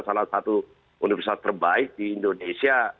salah satu universitas terbaik di indonesia